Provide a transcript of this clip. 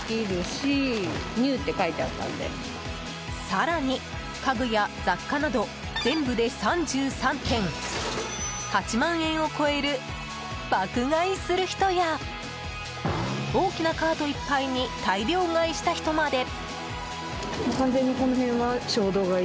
更に家具や雑貨など全部で３３点８万円を超える爆買いする人や大きなカートいっぱいに大量買いした人まで。